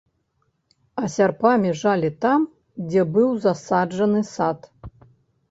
А сярпамі жалі там, дзе быў засаджаны сад.